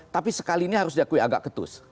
tapi sekali ini harus diakui agak ketus